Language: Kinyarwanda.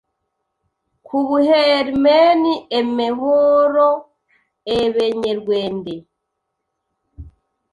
k u b e h e Im e n, Emehoro Ebenyerwende